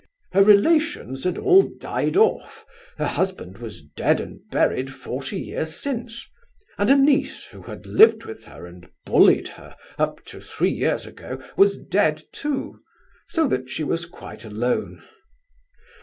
"Her relations had all died off—her husband was dead and buried forty years since; and a niece, who had lived with her and bullied her up to three years ago, was dead too; so that she was quite alone.